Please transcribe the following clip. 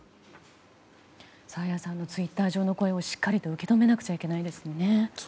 爽彩さんのツイッター上の声をしっかりと受け止めなくちゃいけないですね。